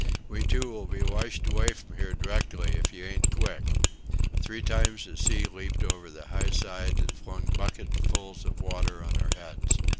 We two will be washed away from here directly if you ain't quick!" Three times a sea leaped over the high side and flung bucketfuls of water on our heads.